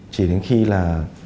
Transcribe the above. chỉ đến khi là